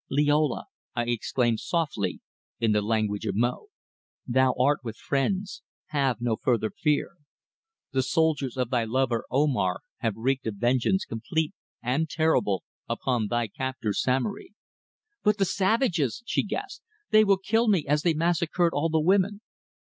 "Liola," I exclaimed softly, in the language of Mo. "Thou art with friends, have no further fear. The soldiers of thy lover Omar have wreaked a vengeance complete and terrible upon thy captor Samory." "But the savages!" she gasped. "They will kill me as they massacred all the women."